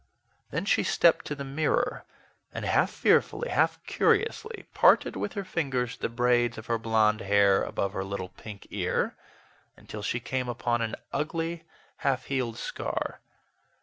Then she stepped to the mirror, and half fearfully, half curiously, parted with her fingers the braids of her blond hair above her little pink ear, until she came upon an ugly, half healed scar.